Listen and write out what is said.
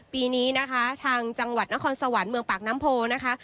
ปีนี้นะคะทางจังหวัดนครสวรรค์เมืองปากน้ำโพนะคะ